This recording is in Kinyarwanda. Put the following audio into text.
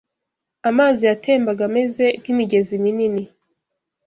Amazi yatembaga ameze nk’imigezi minini